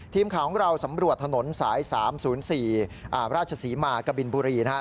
ทีมข่าวของเราสำรวจถนนสาย๓๐๔ราชศรีมากะบินบุรีนะครับ